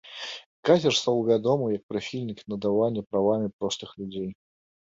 Кайзер стаў вядомы як прыхільнік надавання правамі простых людзей.